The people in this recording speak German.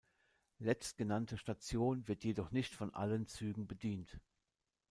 Letztgenannte Station wird jedoch nicht von allen Zügen bedient.